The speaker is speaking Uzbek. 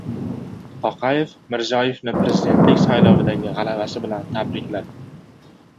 Toqayev Mirziyoyevni prezidentlik saylovidagi g‘alabasi bilan tabrikladi